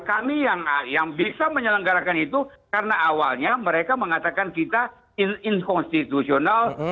kami yang bisa menyelenggarakan itu karena awalnya mereka mengatakan kita inkonstitusional